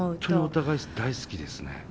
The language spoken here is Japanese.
本当にお互い大好きですね。